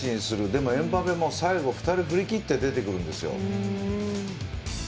でも、エムバペも最後は２人を振り切って出てくるんです。